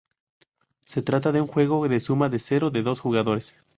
Se trata de un juego de suma cero de dos jugadores.